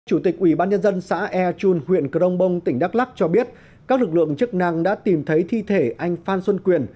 chủ tịch ủy ban nhân dân xã ea chun huyện crong bong tỉnh đắk lắc cho biết các lực lượng chức năng đã tìm thấy thi thể anh phan xuân quyền